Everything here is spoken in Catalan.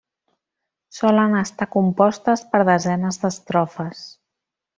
Solen estar compostes per desenes d'estrofes.